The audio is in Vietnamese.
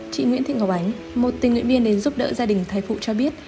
chị nguyễn thị ngọc ánh một tình nguyện viên đến giúp đỡ gia đình thai phụ cho biết